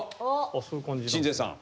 鎮西さん。